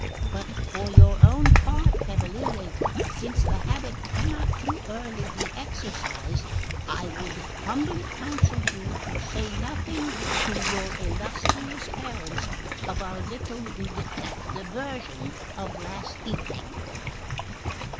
But for your own part, cavaliere since the habit cannot too early be exercised I would humbly counsel you to say nothing to your illustrious parents of our little diversion of last evening."